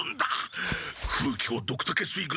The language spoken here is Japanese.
風鬼をドクタケ水軍